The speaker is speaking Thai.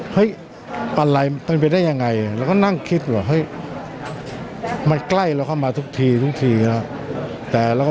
เฮ้ยอะไรเป็นไปได้ยังไงแล้วก็นั่งคิดหว่อให้เฮ้ยมันใกล้แต่เขามาทุกทีทุกทีแหละแต่แล้ว